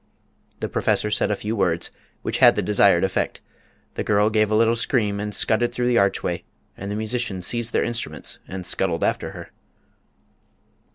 The Professor said a few words, which had the desired effect. The girl gave a little scream and scudded through the archway, and the musicians seized their instruments and scuttled after her.